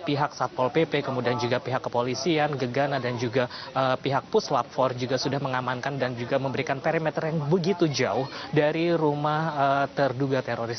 pihak satpol pp kemudian juga pihak kepolisian gegana dan juga pihak puslap empat juga sudah mengamankan dan juga memberikan perimeter yang begitu jauh dari rumah terduga teroris